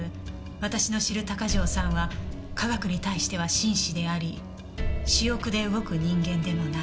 私の知る鷹城さんは科学に対しては真摯であり私欲で動く人間でもない。